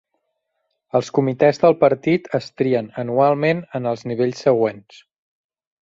Els comitès del partit es trien anualment en els nivells següents.